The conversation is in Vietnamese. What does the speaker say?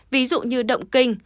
ví dụ như động kinh